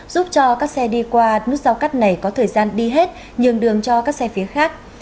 giúp cho các xe đi qua nút giao cắt này có thời gian đi hết nhường đường cho các xe phía khác